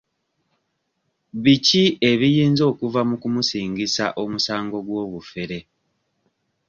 Biki ebiyinza okuva mu kumusingisa omusango gw'obufere.